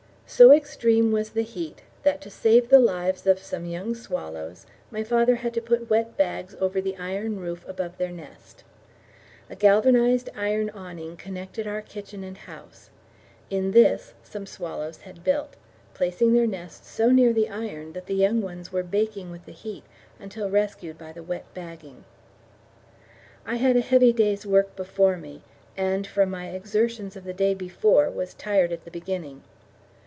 So extreme was the heat that to save the lives of some young swallows my father had to put wet bags over the iron roof above their nest. A galvanized iron awning connected our kitchen and house: in this some swallows had built, placing their nest so near the iron that the young ones were baking with the heat until rescued by the wet bagging. I had a heavy day's work before me, and, from my exertions of the day before, was tired at the beginning.